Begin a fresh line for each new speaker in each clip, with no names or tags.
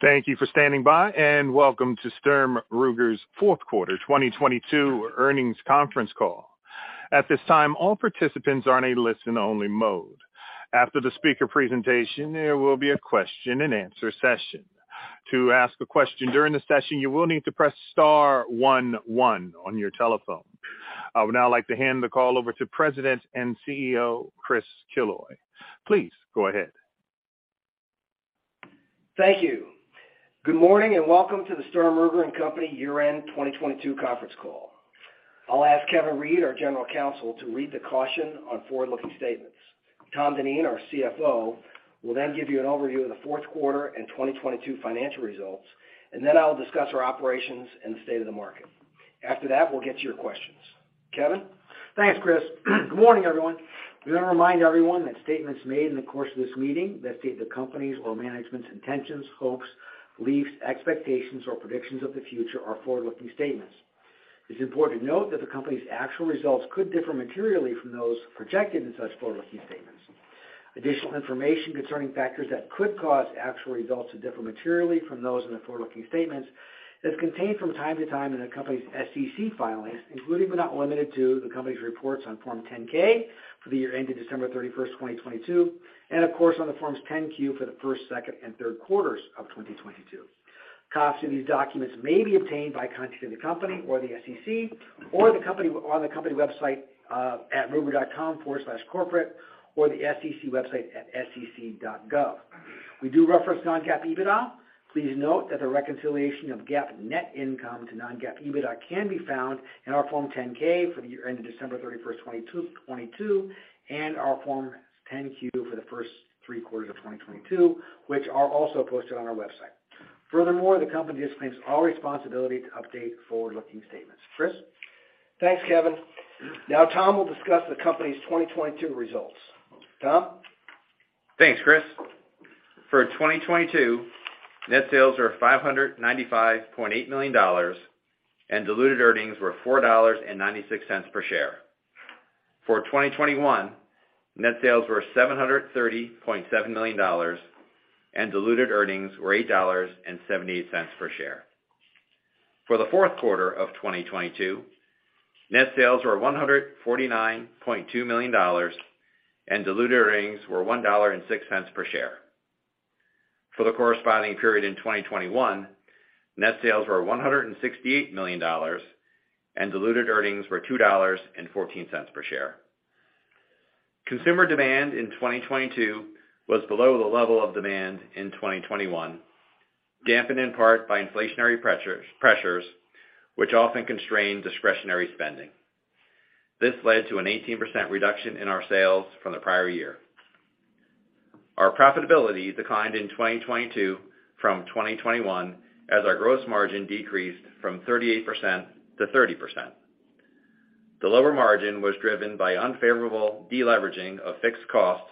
Thank you for standing by, welcome to Sturm Ruger's fourth quarter 2022 earnings conference call. At this time, all participants are in a listen-only mode. After the speaker presentation, there will be a question-and-answer session. To ask a question during the session, you will need to press star one one on your telephone. I would now like to hand the call over to President and CEO, Chris Killoy. Please go ahead.
Thank you. Good morning, and welcome to the Sturm, Ruger & Company year-end 2022 conference call. I'll ask Kevin Reid, our General Counsel, to read the caution on forward-looking statements. Thomas Dineen, our CFO, will then give you an overview of the fourth quarter and 2022 financial results, and then I'll discuss our operations and the state of the market. After that, we'll get to your questions. Kevin?
Thanks, Chris. Good morning, everyone. We wanna remind everyone that statements made in the course of this meeting that state the company's or management's intentions, hopes, beliefs, expectations, or predictions of the future are forward-looking statements. It's important to note that the company's actual results could differ materially from those projected in such forward-looking statements. Additional information concerning factors that could cause actual results to differ materially from those in the forward-looking statements is contained from time to time in the company's SEC filings, including but not limited to the company's reports on Form 10-K for the year ended December 31st, 2022, and of course, on the Form 10-Q for the first, second, and third quarters of 2022. Copies of these documents may be obtained by contacting the company or the SEC or the company on the company website at ruger.com/corporate or the SEC website at sec.gov. We do reference non-GAAP EBITDA. Please note that the reconciliation of GAAP net income to non-GAAP EBITDA can be found in our Form 10-K for the year ended December 31st, 2022, and our Form 10-Q for the first three quarters of 2022, which are also posted on our website. The company disclaims all responsibility to update forward-looking statements. Chris?
Thanks, Kevin. Now Tom will discuss the company's 2022 results. Tom?
Thanks, Chris. For 2022, net sales were $595.8 million, and diluted earnings were $4.96 per share. For 2021, net sales were $730.7 million, and diluted earnings were $8.78 per share. For the fourth quarter of 2022, net sales were $149.2 million, and diluted earnings were $1.06 per share. For the corresponding period in 2021, net sales were $168 million, and diluted earnings were $2.14 per share. Consumer demand in 2022 was below the level of demand in 2021, dampened in part by inflationary pressures which often constrain discretionary spending. This led to an 18% reduction in our sales from the prior year. Our profitability declined in 2022 from 2021 as our gross margin decreased from 38%-30%. The lower margin was driven by unfavorable deleveraging of fixed costs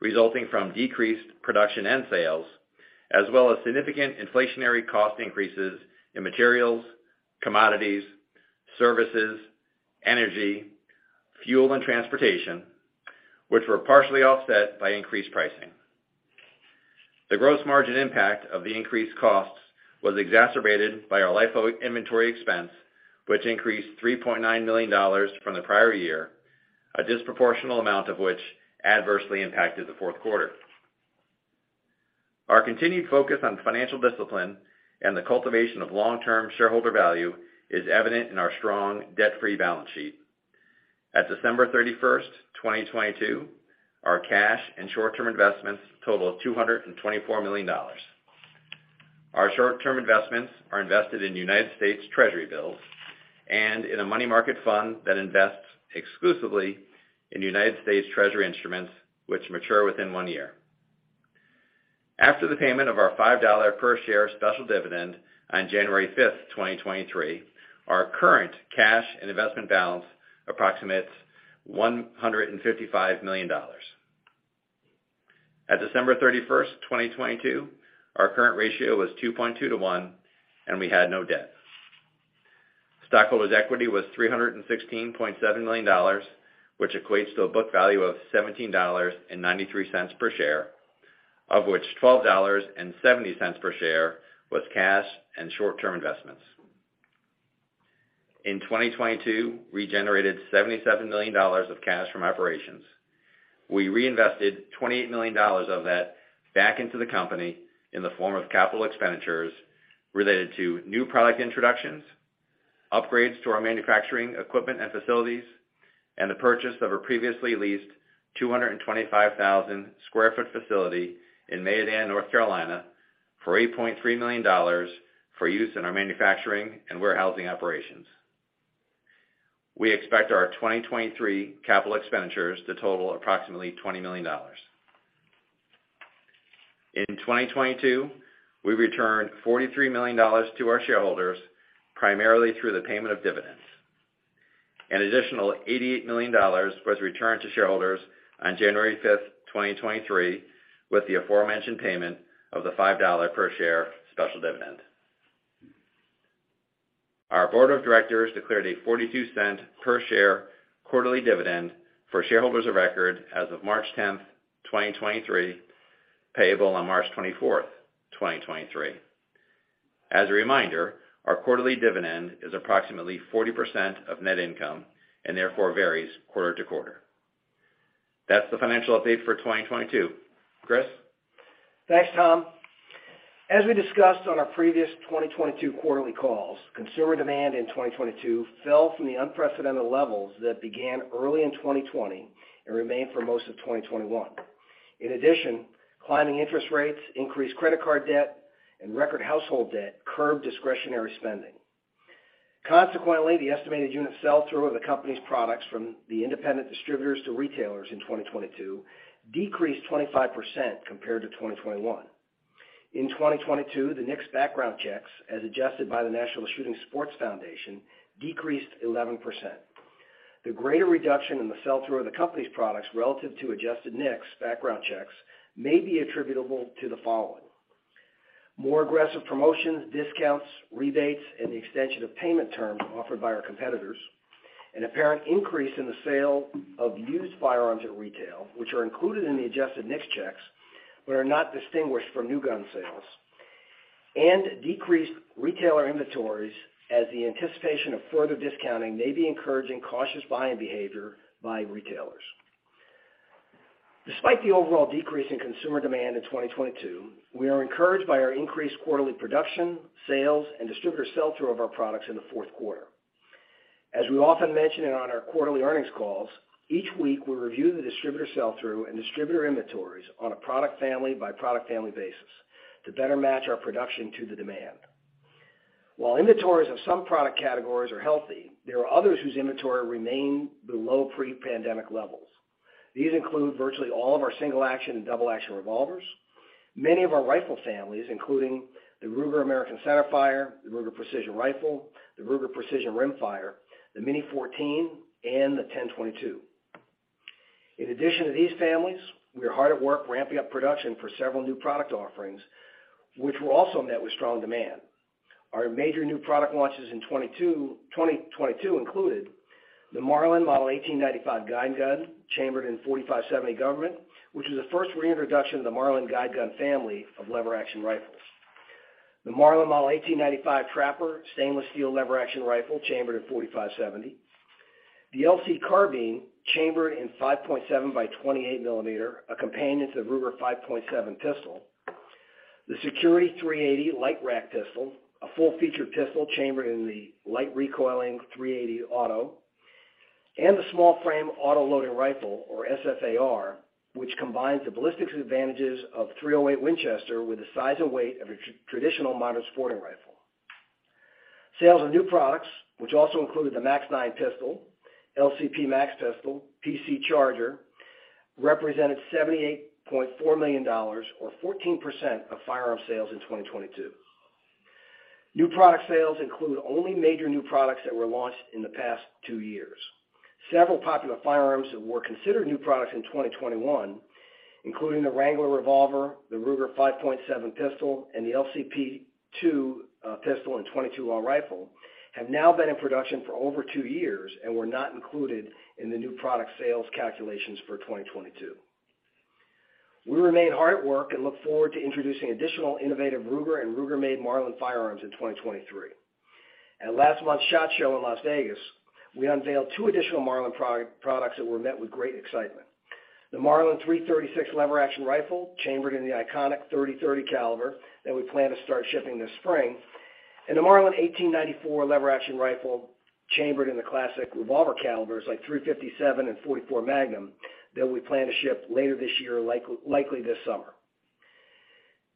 resulting from decreased production and sales, as well as significant inflationary cost increases in materials, commodities, services, energy, fuel and transportation, which were partially offset by increased pricing. The gross margin impact of the increased costs was exacerbated by our LIFO inventory expense, which increased $3.9 million from the prior year, a disproportional amount of which adversely impacted the fourth quarter. Our continued focus on financial discipline and the cultivation of long-term shareholder value is evident in our strong debt-free balance sheet. At December 31, 2022, our cash and short-term investments total of $224 million. Our short-term investments are invested in United States Treasury bills and in a money market fund that invests exclusively in United States Treasury instruments which mature within one year. After the payment of our $5 per share special dividend on January 5th, 2023, our current cash and investment balance approximates $155 million. At December 31st, 2022, our current ratio was 2.2:1. We had no debt. Stockholders' equity was $316.7 million, which equates to a book value of $17.93 per share, of which $12.70 per share was cash and short-term investments. In 2022, we generated $77 million of cash from operations. We reinvested $28 million of that back into the company in the form of capital expenditures related to new product introductions, upgrades to our manufacturing equipment and facilities, and the purchase of a previously leased 225,000 sq ft facility in Mayodan, North Carolina, for $8.3 million for use in our manufacturing and warehousing operations. We expect our 2023 capital expenditures to total approximately $20 million. In 2022, we returned $43 million to our shareholders, primarily through the payment of dividends. An additional $88 million was returned to shareholders on January 5, 2023, with the aforementioned payment of the $5 per share special dividend. Our board of directors declared a $0.42 per share quarterly dividend for shareholders of record as of March 10, 2023, payable on March 24, 2023. As a reminder, our quarterly dividend is approximately 40% of net income and therefore varies quarter to quarter. That's the financial update for 2022. Chris?
Thanks, Tom. As we discussed on our previous 2022 quarterly calls, consumer demand in 2022 fell from the unprecedented levels that began early in 2020 and remained for most of 2021. In addition, climbing interest rates, increased credit card debt, and record household debt curbed discretionary spending. Consequently, the estimated unit sell-through of the company's products from the independent distributors to retailers in 2022 decreased 25% compared to 2021. In 2022, the NICS background checks, as adjusted by the National Shooting Sports Foundation, decreased 11%. The greater reduction in the sell-through of the company's products relative to adjusted NICS background checks may be attributable to the following: more aggressive promotions, discounts, rebates, and the extension of payment terms offered by our competitors, an apparent increase in the sale of used firearms at retail, which are included in the adjusted NICS checks, but are not distinguished from new gun sales, and decreased retailer inventories as the anticipation of further discounting may be encouraging cautious buying behavior by retailers. Despite the overall decrease in consumer demand in 2022, we are encouraged by our increased quarterly production, sales, and distributor sell-through of our products in the fourth quarter. As we often mention it on our quarterly earnings calls, each week we review the distributor sell-through and distributor inventories on a product family by product family basis to better match our production to the demand. While inventories of some product categories are healthy, there are others whose inventory remain below pre-pandemic levels. These include virtually all of our single action and double action revolvers, many of our rifle families, including the Ruger American Rifle, the Ruger Precision Rifle, the Ruger Precision Rimfire, the Mini-14, and the 10/22. In addition to these families, we are hard at work ramping up production for several new product offerings, which were also met with strong demand. Our major new product launches in 2022 included the Marlin Model 1895 Guide Gun, chambered in .45-70 Government, which is the first reintroduction of the Marlin Guide Gun family of lever action rifles. The Marlin Model 1895 Trapper stainless steel lever action rifle chambered in .45-70. The LC Carbine, chambered in 5.7x28mm, a companion to the Ruger-5.7 pistol. The Security-380 Lite Rack pistol, a full-featured pistol chambered in the light recoiling .380 Auto. The Small-Frame Autoloading Rifle or SFAR, which combines the ballistics advantages of .308 Winchester with the size and weight of a traditional modern sporting rifle. Sales of new products, which also included the MAX-9 pistol, LCP MAX pistol, PC Charger, represented $78.4 million or 14% of firearm sales in 2022. New product sales include only major new products that were launched in the past two years. Several popular firearms that were considered new products in 2021, including the Wrangler Revolver, the Ruger-5.7 pistol, and the LCP II pistol and 22 rifle, have now been in production for over two years and were not included in the new product sales calculations for 2022. We remain hard at work and look forward to introducing additional innovative Ruger and Ruger-made Marlin firearms in 2023. At last month's SHOT Show in Las Vegas, we unveiled two additional Marlin products that were met with great excitement. The Marlin Model 336 lever action rifle, chambered in the iconic .30-30 caliber that we plan to start shipping this spring. The Marlin Model 1894 lever action rifle, chambered in the classic revolver calibers like .357 and .44 Magnum that we plan to ship later this year, likely this summer.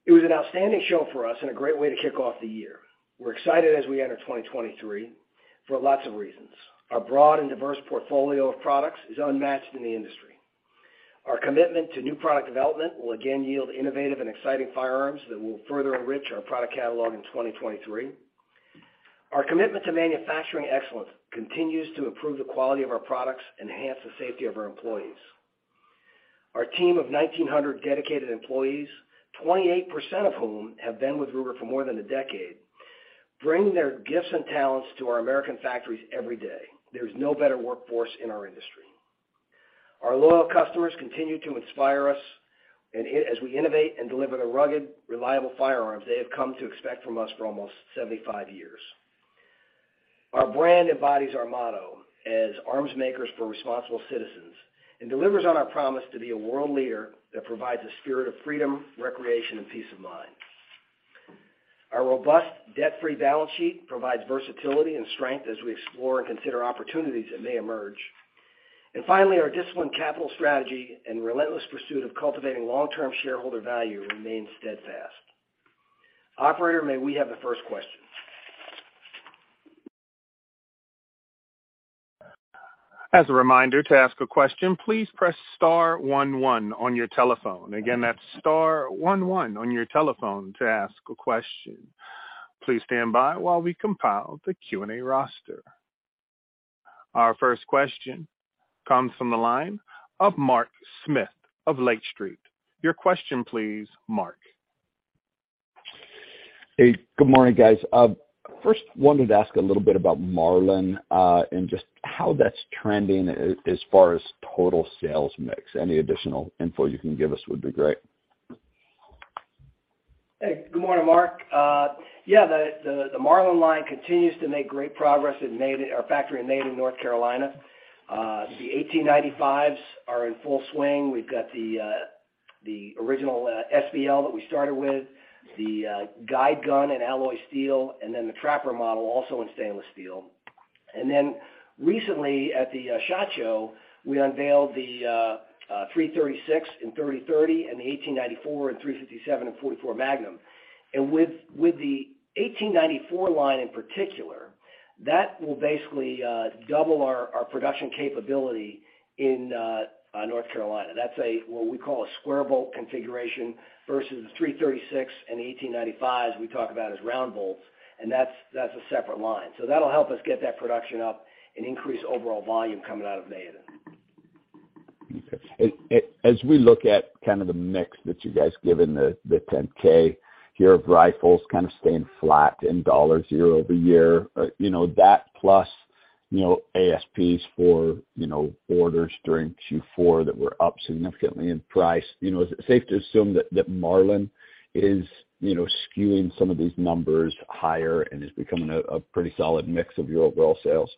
It was an outstanding show for us and a great way to kick off the year. We're excited as we enter 2023 for lots of reasons. Our broad and diverse portfolio of products is unmatched in the industry. Our commitment to new product development will again yield innovative and exciting firearms that will further enrich our product catalog in 2023. Our commitment to manufacturing excellence continues to improve the quality of our products and enhance the safety of our employees. Our team of 1,900 dedicated employees, 28% of whom have been with Ruger for more than a decade, bring their gifts and talents to our American factories every day. There's no better workforce in our industry. Our loyal customers continue to inspire us as we innovate and deliver the rugged, reliable firearms they have come to expect from us for almost 75 years. Our brand embodies our motto as arms makers for responsible citizens and delivers on our promise to be a world leader that provides a spirit of freedom, recreation, and peace of mind. Our robust, debt-free balance sheet provides versatility and strength as we explore and consider opportunities that may emerge. Finally, our disciplined capital strategy and relentless pursuit of cultivating long-term shareholder value remains steadfast. Operator, may we have the first question?
As a reminder, to ask a question, please press star one one on your telephone. Again, that's star one one on your telephone to ask a question. Please stand by while we compile the Q&A roster. Our first question comes from the line of Mark Smith of Lake Street. Your question please, Mark.
Hey, good morning, guys. first wanted to ask a little bit about Marlin, and just how that's trending as far as total sales mix. Any additional info you can give us would be great.
Hey, good morning, Mark. Yeah, the, the Marlin line continues to make great progress in our factory in Mayodan, North Carolina. The 1895s are in full swing. We've got the original SBL that we started with, the Guide Gun and Alloy Steel, and then the Trapper model also in stainless steel. Recently, at the SHOT Show, we unveiled the 336 and 30-30, and the 1894, and 357, and 44 Magnum. With the 1894 line in particular, that will basically double our production capability in North Carolina. That's a what we call a square bolt configuration versus the 336 and 1895s we talk about as round bolts, and that's a separate line. That'll help us get that production up and increase overall volume coming out of Mayodan.
Okay. As we look at kind of the mix that you guys give in the 10-K, your rifles kind of staying flat in dollars year-over-year, you know, that plus, you know, ASPs for, you know, orders during Q4 that were up significantly in price. You know, is it safe to assume that Marlin is, you know, skewing some of these numbers higher and is becoming a pretty solid mix of your overall sales?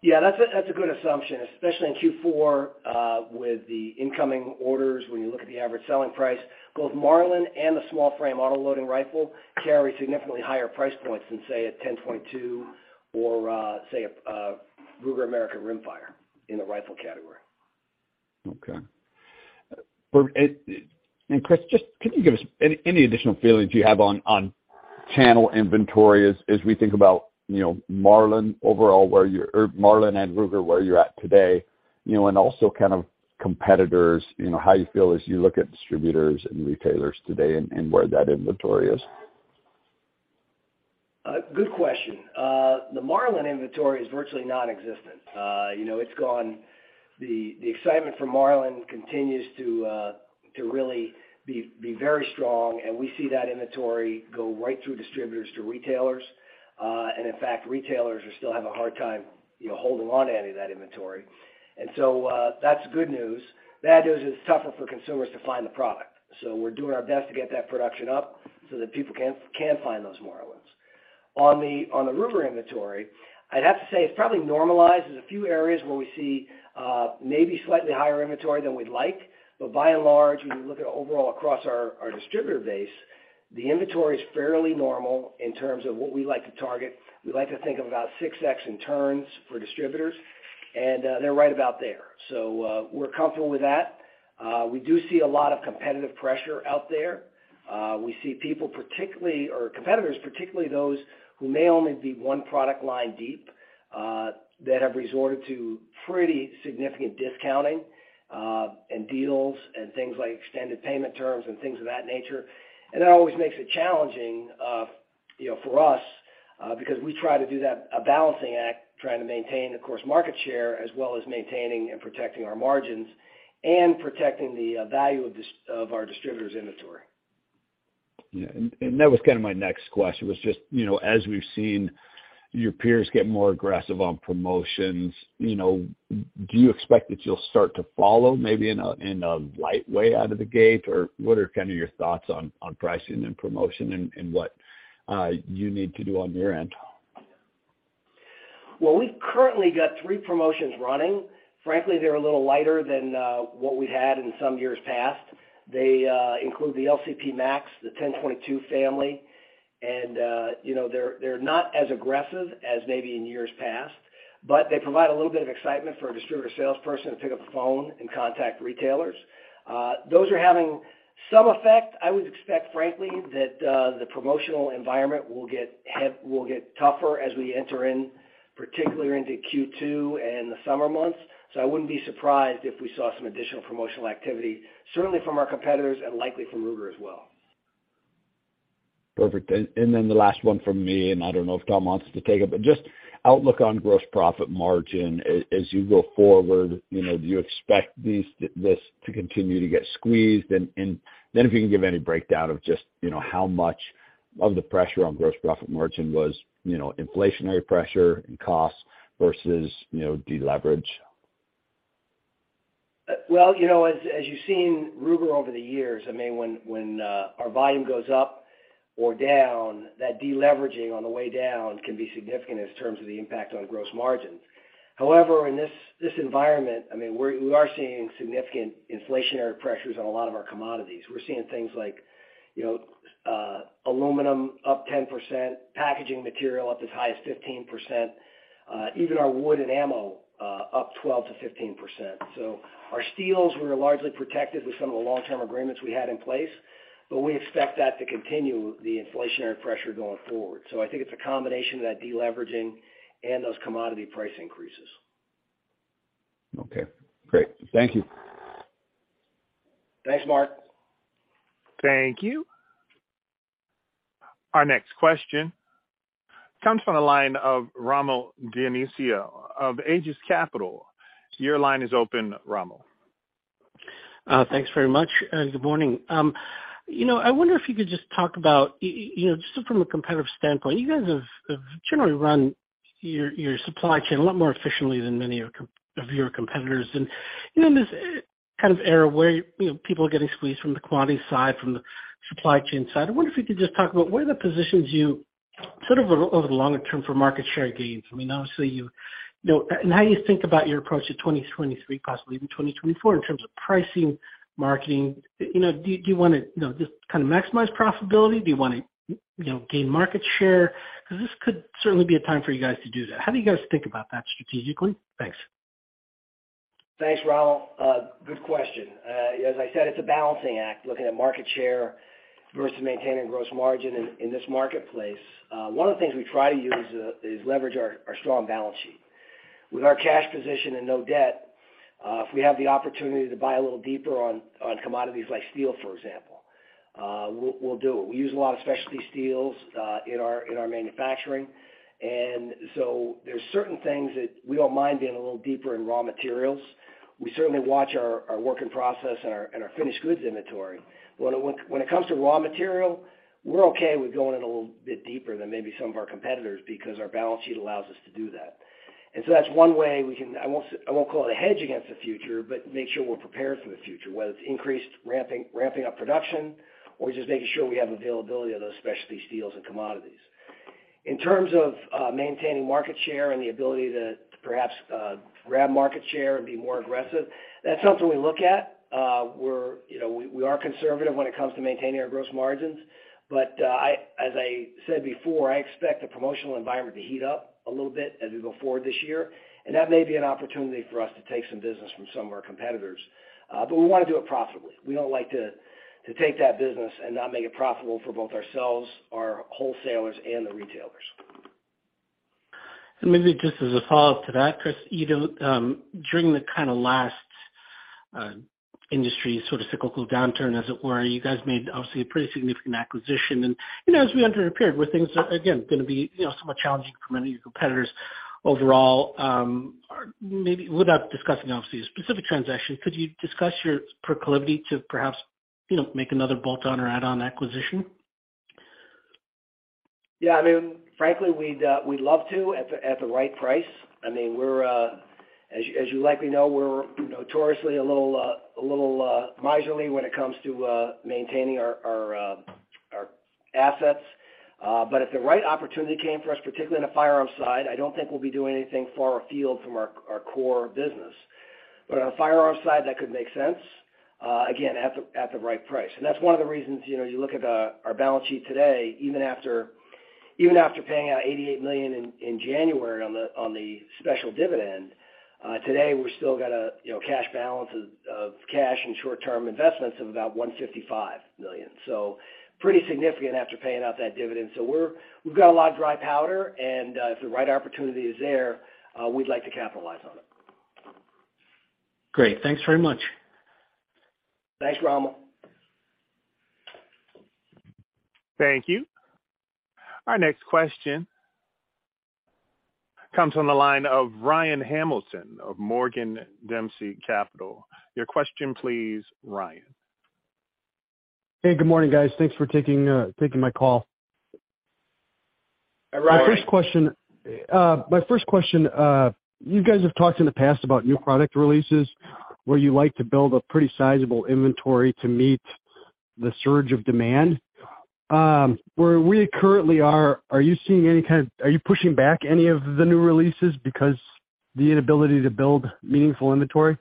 Yeah, that's a good assumption, especially in Q4, with the incoming orders when you look at the average selling price. Both Marlin and the Small-Frame Autoloading Rifle carry significantly higher price points than, say, a 10.2 or, say, a Ruger American Rimfire in the rifle category.
Okay. Chris, just could you give us any additional feelings you have on channel inventory as we think about, you know, Marlin overall, or Marlin and Ruger, where you're at today, you know, and also kind of competitors, you know, how you feel as you look at distributors and retailers today and where that inventory is?
Good question. The Marlin inventory is virtually nonexistent. You know, it's gone. The excitement for Marlin continues to really be very strong, and we see that inventory go right through distributors to retailers. In fact, retailers are still having a hard time, you know, holding on to any of that inventory. That's good news. Bad news is it's tougher for consumers to find the product. We're doing our best to get that production up so that people can find those Marlins. On the Ruger inventory, I'd have to say it's probably normalized. There's a few areas where we see maybe slightly higher inventory than we'd like. By and large, when you look at overall across our distributor base, the inventory is fairly normal in terms of what we like to target. We like to think of about 6x in turns for distributors, they're right about there. We're comfortable with that. We do see a lot of competitive pressure out there. We see people particularly or competitors, particularly those who may only be one product line deep, that have resorted to pretty significant discounting, and deals and things like extended payment terms and things of that nature. That always makes it challenging, you know, for us, because we try to do that balancing act, trying to maintain, of course, market share, as well as maintaining and protecting our margins and protecting the value of our distributors' inventory.
Yeah. That was kinda my next question, was just, you know, as we've seen your peers get more aggressive on promotions, you know, do you expect that you'll start to follow maybe in a light way out of the gate? Or what are kinda your thoughts on pricing and promotion and what you need to do on your end?
Well, we've currently got three promotions running. Frankly, they're a little lighter than what we had in some years past. They include the LCP MAX, the 10/22 family, and, you know, they're not as aggressive as maybe in years past, but they provide a little bit of excitement for a distributor salesperson to pick up the phone and contact retailers. Those are having some effect. I would expect, frankly, that the promotional environment will get tougher as we enter in, particularly into Q2 and the summer months. I wouldn't be surprised if we saw some additional promotional activity, certainly from our competitors and likely from Ruger as well.
Perfect. Then the last one from me, and I don't know if Tom wants to take it, but just outlook on gross profit margin as you go forward. You know, do you expect this to continue to get squeezed? Then if you can give any breakdown of just, you know, how much of the pressure on gross profit margin was, you know, inflationary pressure and costs versus, you know, deleverage.
Well, you know, as you've seen Ruger over the years, I mean, when our volume goes up or down, that deleveraging on the way down can be significant in terms of the impact on gross margin. However, in this environment, I mean, we are seeing significant inflationary pressures on a lot of our commodities. We're seeing things like, you know, aluminum up 10%, packaging material up as high as 15%, even our wood and ammo up 12%-15%. Our steels, we are largely protected with some of the long-term agreements we had in place, but we expect that to continue the inflationary pressure going forward. I think it's a combination of that deleveraging and those commodity price increases.
Okay, great. Thank you.
Thanks, Mark.
Thank you. Our next question comes from the line of Rommel Dionisio of Aegis Capital. Your line is open, Rommel.
Thanks very much, good morning. You know, I wonder if you could just talk about, you know, just from a competitive standpoint, you guys have generally run your supply chain a lot more efficiently than many of your competitors. You know, in this kind of era where, you know, people are getting squeezed from the quantity side, from the supply chain side, I wonder if you could just talk about where that positions you sort of over the longer term for market share gains. I mean, obviously, you know, how do you think about your approach to 2023, possibly even 2024, in terms of pricing, marketing? You know, do you wanna, you know, just kinda maximize profitability? Do you wanna, you know, gain market share? This could certainly be a time for you guys to do that. How do you guys think about that strategically? Thanks.
Thanks, Rommel. Good question. As I said, it's a balancing act, looking at market share versus maintaining gross margin in this marketplace. One of the things we try to use is leverage our strong balance sheet. With our cash position and no debt, if we have the opportunity to buy a little deeper on commodities like steel, for example, we'll do it. We use a lot of specialty steels in our manufacturing. There's certain things that we don't mind being a little deeper in raw materials. We certainly watch our work in process and our finished goods inventory. When it comes to raw material, we're okay with going in a little bit deeper than maybe some of our competitors because our balance sheet allows us to do that. That's one way we can. I won't call it a hedge against the future, but make sure we're prepared for the future, whether it's increased ramping up production or just making sure we have availability of those specialty steels and commodities. In terms of maintaining market share and the ability to perhaps grab market share and be more aggressive, that's something we look at. We're, you know, we are conservative when it comes to maintaining our gross margins. As I said before, I expect the promotional environment to heat up a little bit as we go forward this year, that may be an opportunity for us to take some business from some of our competitors. We wanna do it profitably. We don't like to take that business and not make it profitable for both ourselves, our wholesalers, and the retailers.
Maybe just as a follow-up to that, Chris, you know, during the kinda last industry sorta cyclical downturn, as it were, you guys made obviously a pretty significant acquisition. You know, as we enter a period where things are again gonna be, you know, somewhat challenging for many of your competitors overall, maybe without discussing obviously a specific transaction, could you discuss your proclivity to perhaps, you know, make another bolt-on or add-on acquisition?
Yeah. I mean, frankly, we'd love to at the right price. I mean, we're, as you likely know, we're notoriously a little miserly when it comes to maintaining our assets. If the right opportunity came for us, particularly on the firearm side, I don't think we'll be doing anything far afield from our core business. On the firearm side, that could make sense again, at the right price. That's one of the reasons, you know, you look at our balance sheet today, even after paying out $88 million in January on the special dividend, today we've still got a, you know, cash balance of cash and short-term investments of about $155 million. Pretty significant after paying out that dividend. We've got a lot of dry powder, and, if the right opportunity is there, we'd like to capitalize on it.
Great. Thanks very much.
Thanks, Rommel.
Thank you. Our next question comes on the line of Ryan Hamilton of Morgan Dempsey Capital. Your question please, Ryan.
Hey, good morning, guys. Thanks for taking my call.
Hi, Ryan.
My first question, you guys have talked in the past about new product releases, where you like to build a pretty sizable inventory to meet the surge of demand. Where we currently are you pushing back any of the new releases because the inability to build meaningful inventory?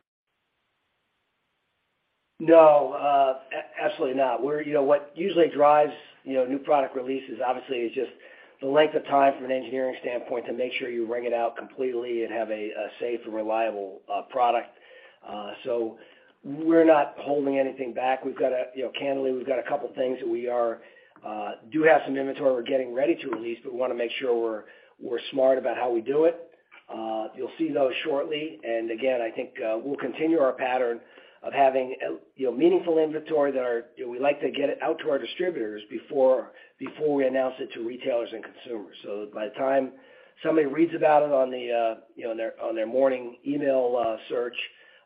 No, absolutely not. We're, you know, what usually drives, you know, new product releases obviously is just the length of time from an engineering standpoint to make sure you wring it out completely and have a safe and reliable product. We're not holding anything back. We've got a, you know, candidly, we've got a couple things that we are do have some inventory we're getting ready to release, but we wanna make sure we're smart about how we do it. You'll see those shortly. Again, I think we'll continue our pattern of having, you know, meaningful inventory that are, you know, we like to get it out to our distributors before we announce it to retailers and consumers. By the time somebody reads about it on the, you know, on their, on their morning email, search,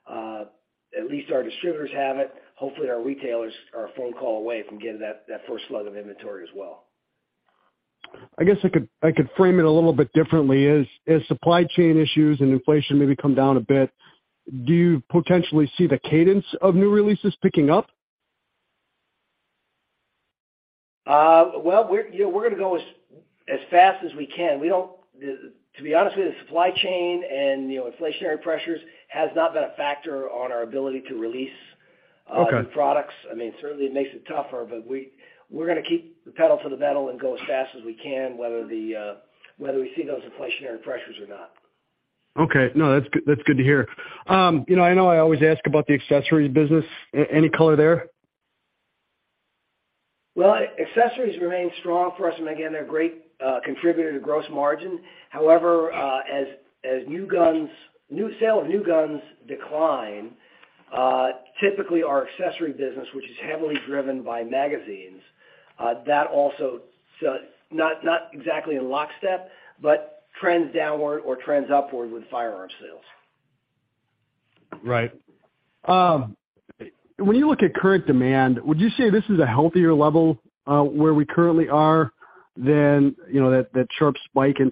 at least our distributors have it. Hopefully, our retailers are a phone call away from getting that first slug of inventory as well.
I guess I could frame it a little bit differently. As supply chain issues and inflation maybe come down a bit, do you potentially see the cadence of new releases picking up?
Well, we're, you know, we're gonna go as fast as we can. To be honest with you, the supply chain and, you know, inflationary pressures has not been a factor on our ability to release.
Okay.
New products. I mean, certainly it makes it tougher. We're gonna keep the pedal to the metal and go as fast as we can, whether we see those inflationary pressures or not.
Okay. No, that's good to hear. You know, I know I always ask about the accessories business. Any color there?
Well, accessories remain strong for us. Again, they're a great contributor to gross margin. However, as new sale of new guns decline, typically our accessory business, which is heavily driven by magazines, that also not exactly in lockstep, but trends downward or trends upward with firearm sales.
Right. When you look at current demand, would you say this is a healthier level, where we currently are than, you know, that sharp spike in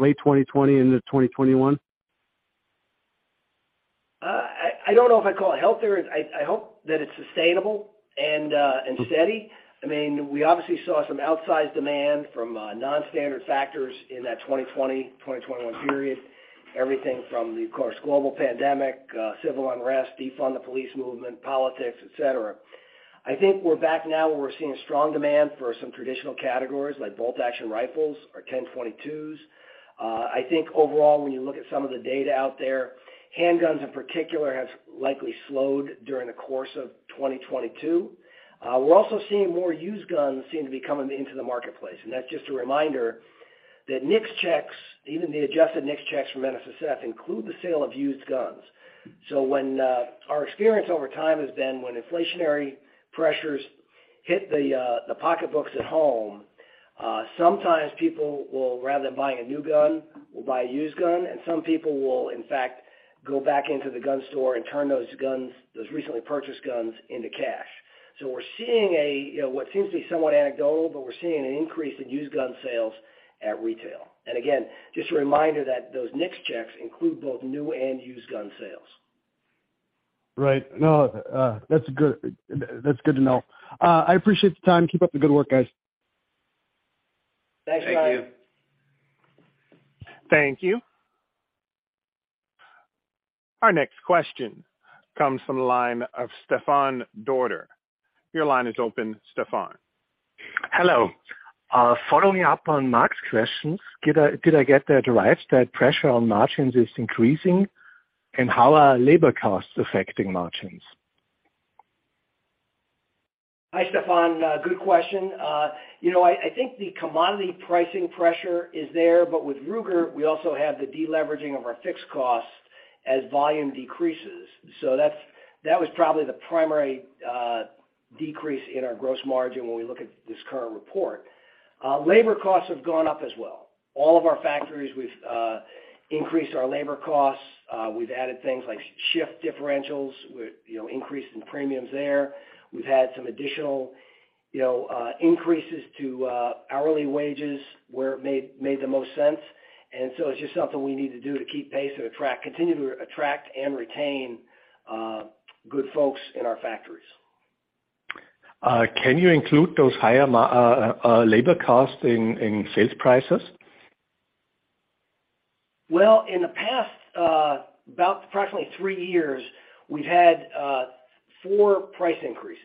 late 2020 into 2021?
I don't know if I'd call it healthier. I hope that it's sustainable and steady. I mean, we obviously saw some outsized demand from non-standard factors in that 2020, 2021 period. Everything from the, of course, global pandemic, civil unrest, defund the police movement, politics, et cetera. I think we're back now where we're seeing strong demand for some traditional categories like bolt-action rifles or 10/22s. I think overall, when you look at some of the data out there, handguns in particular have likely slowed during the course of 2022. We're also seeing more used guns seem to be coming into the marketplace, and that's just a reminder that NICS checks, even the adjusted NICS checks from NSSF, include the sale of used guns. When our experience over time has been when inflationary pressures hit the pocketbooks at home, sometimes people will rather than buying a new gun, will buy a used gun, and some people will, in fact, go back into the gun store and turn those guns, those recently purchased guns into cash. We're seeing a, you know, what seems to be somewhat anecdotal, but we're seeing an increase in used gun sales at retail. Again, just a reminder that those NICS checks include both new and used gun sales.
Right. No, that's good. That's good to know. I appreciate the time. Keep up the good work, guys.
Thanks, Ryan.
Thank you.
Thank you. Our next question comes from the line of Stefan Dörr. Your line is open, Stefan.
Hello. Following up on Mark's questions, did I get that right, that pressure on margins is increasing? How are labor costs affecting margins?
Hi, Stefan. Good question. You know, I think the commodity pricing pressure is there, but with Ruger, we also have the deleveraging of our fixed costs as volume decreases. That was probably the primary decrease in our gross margin when we look at this current report. Labor costs have gone up as well. All of our factories, we've increased our labor costs. We've added things like shift differentials with, you know, increase in premiums there. We've had some additional, you know, increases to hourly wages where it made the most sense. It's just something we need to do to keep pace and continue to attract and retain good folks in our factories.
Can you include those higher labor costs in sales prices?
Well, in the past, about approximately three years, we've had four price increases.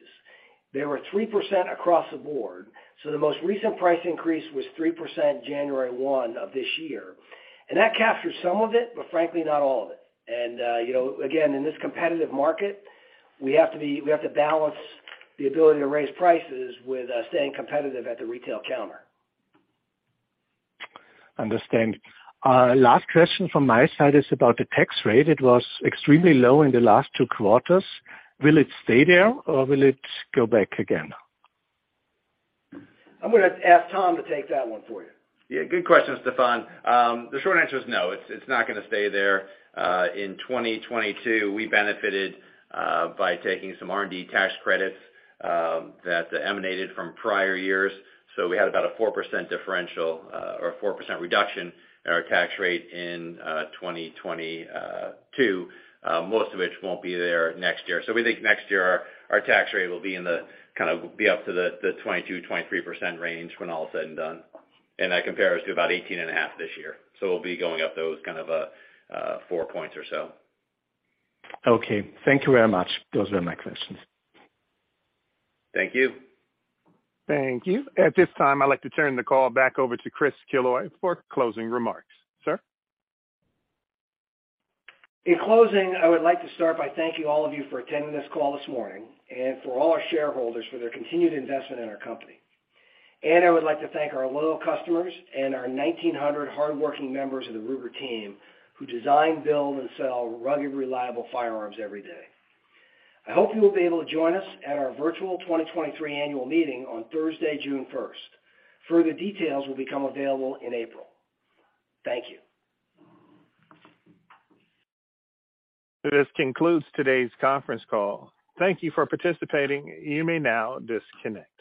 They were 3% across the board. The most recent price increase was 3% January 1 of this year. That captures some of it, but frankly, not all of it. You know, again, in this competitive market, we have to balance the ability to raise prices with staying competitive at the retail counter.
Understand. Last question from my side is about the tax rate. It was extremely low in the last 2 quarters. Will it stay there, or will it go back again?
I'm gonna ask Tom to take that one for you.
Yeah, good question, Stefan. The short answer is no. It's not gonna stay there. In 2022, we benefited by taking some R&D tax credits that emanated from prior years. We had about a 4% differential or a 4% reduction in our tax rate in 2022, most of which won't be there next year. We think next year our tax rate will kind of be up to the 22%-23% range when all is said and done. That compares to about 18.5% this year. We'll be going up those kind of four points or so.
Okay. Thank you very much. Those were my questions.
Thank you.
Thank you. At this time, I'd like to turn the call back over to Chris Killoy for closing remarks. Sir.
In closing, I would like to start by thanking all of you for attending this call this morning and for all our shareholders for their continued investment in our company. I would like to thank our loyal customers and our 1,900 hardworking members of the Ruger team who design, build, and sell rugged, reliable firearms every day. I hope you will be able to join us at our virtual 2023 annual meeting on Thursday, June 1st. Further details will become available in April. Thank you.
This concludes today's conference call. Thank you for participating. You may now disconnect.